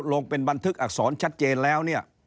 ลงเป็นบันทึกอักษรชัดเจนแล้วเนี่ย